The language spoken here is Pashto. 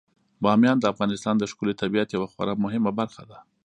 بامیان د افغانستان د ښکلي طبیعت یوه خورا مهمه برخه ده.